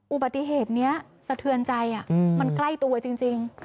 อุบัติเหตุนี้สะเทือนใจมันใกล้ตัวจริง